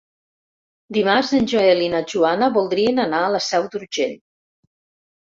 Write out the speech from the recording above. Dimarts en Joel i na Joana voldrien anar a la Seu d'Urgell.